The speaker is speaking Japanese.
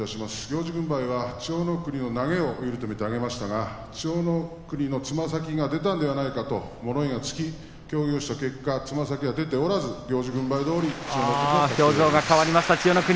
行司軍配は千代の国の投げを有利と見て上げましたが千代の国のつま先が出たのではないかと物言いがつき協議をした結果つま先が出ておらず行司軍配どおり表情が変わりました千代の国。